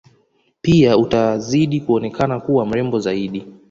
Pia utazidi kuonekana kuwa mrembo zaidi